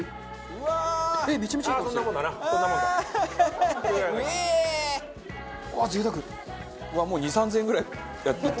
うわっ！